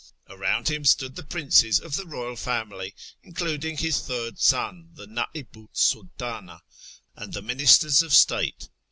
Around him stood the princes of the royal family, including his third son, the Nd'ihu 's Saltana, and the ministers of state.